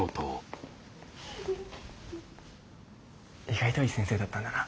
意外といい先生だったんだな。